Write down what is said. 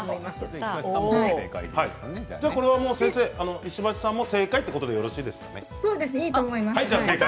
石橋さんも正解ということでよろしいですか？